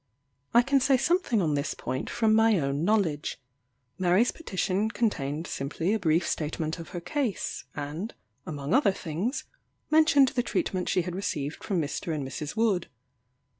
I can say something on this point from my own knowledge. Mary's petition contained simply a brief statement of her case, and, among other things, mentioned the treatment she had received from Mr. and Mrs. Wood.